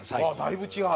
だいぶ違う！